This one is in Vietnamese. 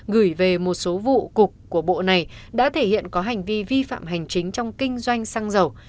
gửi về một số vụ cục của bộ này đã thể hiện có hành vi vi phạm hành chính trong kinh doanh xăng dầu